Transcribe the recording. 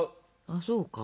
あそうか。